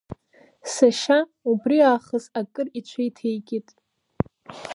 Сашьа убри аахыс акыр иҽеиҭеикит.